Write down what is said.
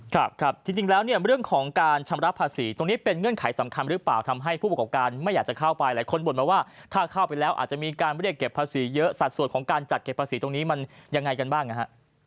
ครับครับจริงแล้วเนี่ยเรื่องของการชำระภาษีตรงนี้เป็นเงื่อนไขสำคัญหรือเปล่าทำให้ผู้ประกอบการไม่อยากจะเข้าไปหลายคนบ่นมาว่าถ้าเข้าไปแล้วอาจจะมีการเรียกเก็บภาษีเยอะสัดส่วนของการจัดเก็บภาษีตรงนี้มันยังไงกันบ้างนะฮะ